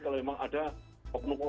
kalau memang ada oknum omong yang berlaku